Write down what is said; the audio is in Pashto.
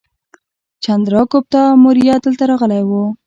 چندراګوپتا موریه دلته راغلی و